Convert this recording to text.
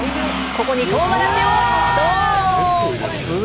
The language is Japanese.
ここにとうがらしをドン！